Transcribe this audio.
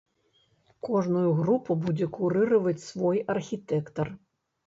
Кожную групу будзе курыраваць свой архітэктар.